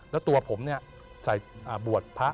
แล้วตัวผมเนี่ยใส่บวชพระ